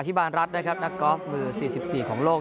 บานรัฐนะครับนักกอล์ฟมือ๔๔ของโลก